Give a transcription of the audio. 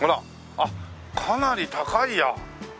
あっかなり高いや。